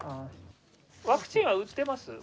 ワクチンは打ってます？